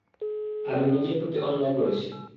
আমি নিজের প্রতি অন্যায় করেছি।